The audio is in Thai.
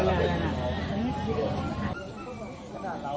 มันมืดหน้า